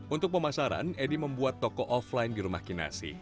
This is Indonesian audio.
untuk pemasaran edi membuat toko offline di rumah kinasi